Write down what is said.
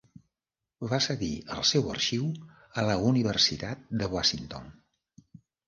Va cedir el seu arxiu a la Universitat de Washington.